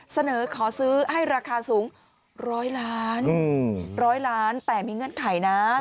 เสนอขอซื้อให้ราคาสูง๑๐๐ล้านร้อยล้านแต่มีเงื่อนไขนะ